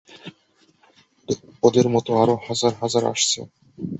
ওদের মতো আরো হাজার হাজার আসছে।